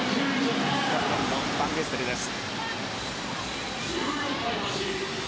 キャプテンのバンゲステルです。